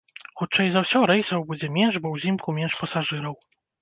Хутчэй за ўсё рэйсаў будзе менш, бо ўзімку менш пасажыраў.